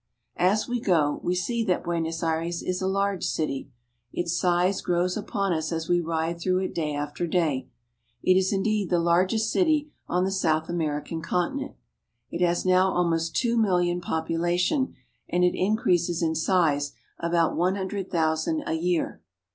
As we go we see that Buenos Aires is a large city. Its size grows upon us as we ride through it day after day. It is indeed the largest city on the South Ameri can continent. It has now almost two million pop ulation, and it increases in size about one hundred thousand a year.